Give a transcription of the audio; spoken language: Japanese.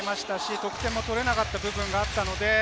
得点も取れなかった部分もありました。